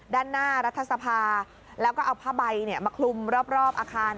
ด้านหน้ารัฐสภาแล้วก็เอาผ้าใบมาคลุมรอบอาคาร